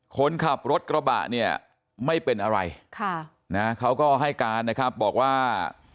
คนขับรถกระบะเนี่ยไม่เป็นอะไรเขาก็ให้การนะครับบอกว่า